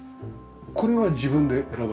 これは自分で選ばれた？